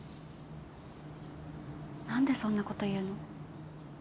何でそんなこと言うの？